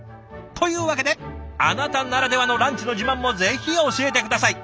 というわけであなたならではのランチの自慢もぜひ教えて下さい！